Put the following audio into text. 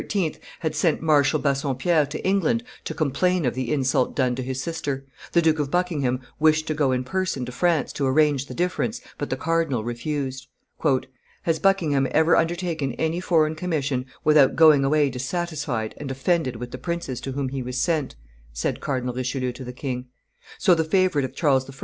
had sent Marshal Bassompierre to England to complain of the insult done to his sister; the Duke of Buckingham wished to go in person to France to arrange the difference, but the cardinal refused. "Has Buckingham ever undertaken any foreign commission without going away dissatisfied and offended with the princes to whom he was sent?" said Cardinal Richelieu to the king. So the favorite of Charles I.